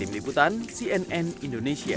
tim liputan cnn indonesia